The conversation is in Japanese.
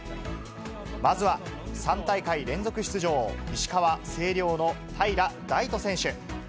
まずは３大会連続出場、石川・星稜の平良大研選手。